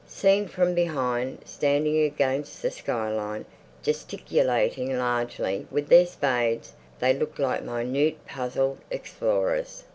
Seen from behind, standing against the skyline, gesticulating largely with their spades, they looked like minute puzzled explorers.